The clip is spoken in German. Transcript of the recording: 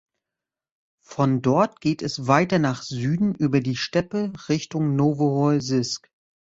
Von dort geht es weiter nach Süden über die Steppe Richtung Noworossijsk.